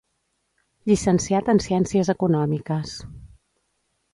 Llicenciat en Ciències Econòmiques.